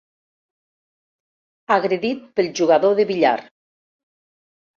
Agredit pel jugador de billar.